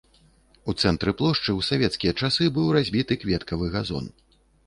У цэнтры плошчы ў савецкія часы быў разбіты кветкавы газон.